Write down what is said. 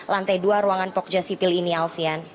lantai dua ruangan pogja sipil ini alfian